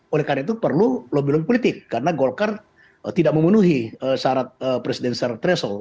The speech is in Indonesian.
oleh karena itu perlu lebih lebih politik karena golkar tidak memenuhi syarat presiden sir tresel